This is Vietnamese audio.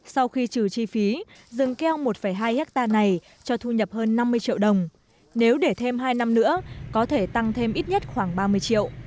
sau khi trừ chi phí rừng keo một hai hectare này cho thu nhập hơn năm mươi triệu đồng nếu để thêm hai năm nữa có thể tăng thêm ít nhất khoảng ba mươi triệu